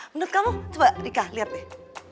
menurut kamu coba rika liat deh